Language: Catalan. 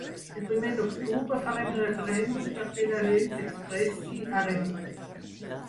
El primer d’octubre farem el referèndum perquè la gent s’expressi, ha reblat.